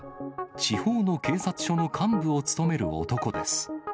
地方の警察署の幹部を務める男です。